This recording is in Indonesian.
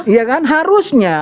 iya kan harusnya